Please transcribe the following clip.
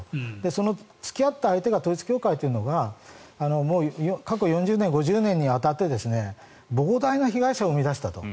その付き合った相手が統一教会というのがもう過去４０年、５０年にわたって膨大な被害者を生み出したと。